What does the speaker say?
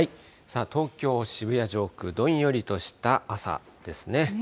東京・渋谷上空、どんよりとした朝ですね。